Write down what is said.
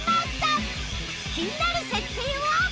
気になる設定は